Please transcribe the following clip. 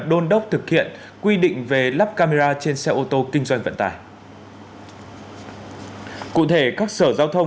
đôn đốc thực hiện quy định về lắp camera trên xe ô tô kinh doanh vận tải cụ thể các sở giao thông